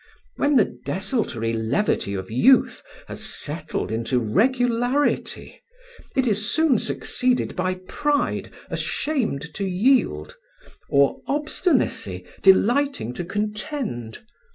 When the desultory levity of youth has settled into regularity, it is soon succeeded by pride ashamed to yield, or obstinacy delighting to contend.